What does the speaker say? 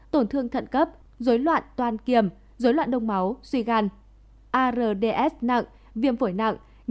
tổn thương thận cấp dối loạn toàn kiềm dối loạn đông máu suy gan ards nặng viêm phổi nặng